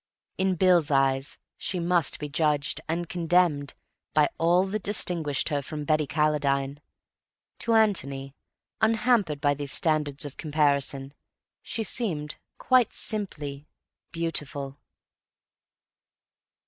In Bill's eyes she must be judged, and condemned, by all that distinguished her from Betty Calladine. To Antony, unhampered by these standards of comparison, she seemed, quite simply, beautiful.